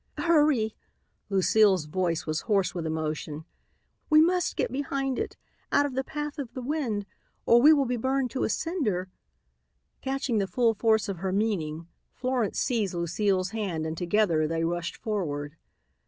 "Hurry!" Lucile's voice was hoarse with emotion. "We must get behind it, out of the path of the wind, or we will be burned to a cinder." Catching the full force of her meaning, Florence seized Lucile's hand and together they rushed forward.